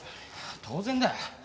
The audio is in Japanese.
当然だよ。